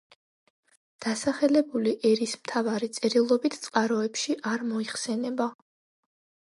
დასახელებული ერისმთავარი წერილობით წყაროებში არ მოიხსენება.